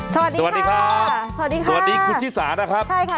สวัสดีครับสวัสดีค่ะสวัสดีคุณชิสานะครับใช่ค่ะ